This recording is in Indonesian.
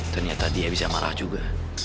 ternyata dia bisa marah juga